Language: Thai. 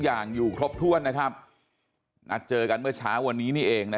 อย่างอยู่ครบถ้วนนะครับนัดเจอกันเมื่อเช้าวันนี้นี่เองนะ